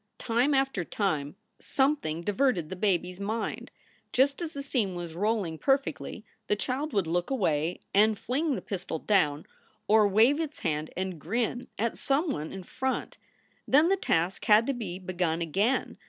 Time after time something diverted the baby s mind. Just as the scene was rolling perfectly the child would look away and fling the pistol down, or wave its hand and grin at some one in front. Then the task had to be begun again.